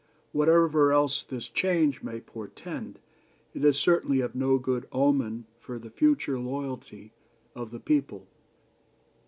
Whatever else this change may portend, it is certainly of no good omen for the future loyalty of the people.